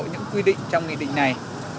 những quy định trong nghị định này